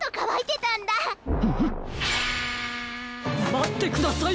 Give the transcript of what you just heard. まってください。